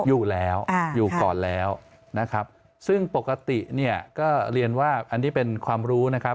อยู่แล้วอยู่ก่อนแล้วนะครับซึ่งปกติเนี่ยก็เรียนว่าอันนี้เป็นความรู้นะครับ